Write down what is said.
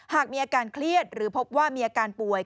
หากมีอาการเครียดหรือพบว่ามีอาการป่วย